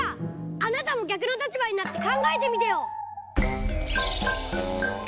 あなたも逆の立場になってかんがえてみてよ！